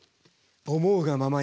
思うがままにね。